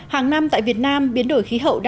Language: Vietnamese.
hàng năm tại việt nam biến đổi khí hậu đang diễn ra